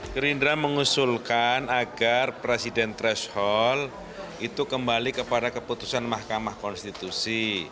gerindra mengusulkan agar presiden threshold itu kembali kepada keputusan mahkamah konstitusi